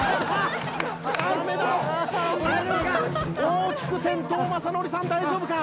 大きく転倒雅紀さん大丈夫か？